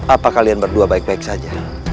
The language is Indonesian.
apa kalian berdua baik baik saja